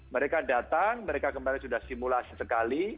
mereka datang mereka kemarin sudah simulasi sekali